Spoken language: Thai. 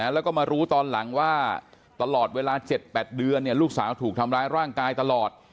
แล้วก็มารู้ตอนหลังว่าตลอดเวลา๗๘เดือนลูกสาวถูกทำร้ายร่างกายตลอด